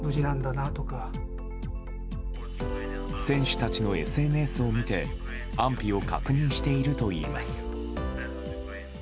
選手たちのＳＮＳを見て安否を確認しているといいます。